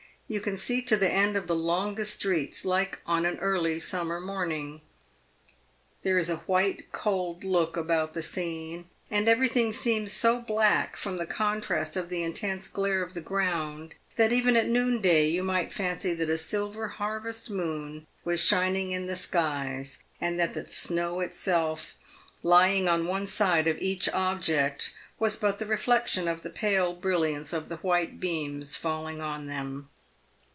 You can see to the end of the longest streets like on an early summer morning. There is a white, cold look about the scene ; and everything seems so black from the contrast of the intense glare of the ground, that even at noonday you might fancy that a silver har vest moon was shining in the skies, and that the snow itself, lying on one side of each object, was but the reflexion of the pale brilliance of the white beams falling on them.